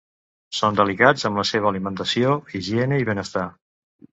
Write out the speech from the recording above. Són delicats amb la seva alimentació, higiene i benestar.